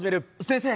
先生！